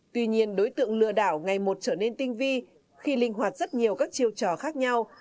tuy nhiên đối tượng lừa đảo ngày một trở nên tinh vi khi linh hoạt rất nhiều các chiêu trò khác nhau